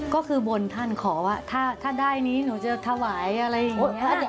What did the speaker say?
ก็คือบนท่านขอว่าถ้าได้นี้หนูจะถวายอะไรอย่างนี้